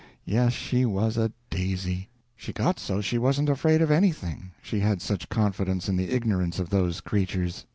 Yes, she was a daisy! She got so she wasn't afraid of anything, she had such confidence in the ignorance of those creatures.